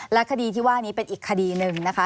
และคดีที่ว่านี้เป็นอีกคดีหนึ่งนะคะ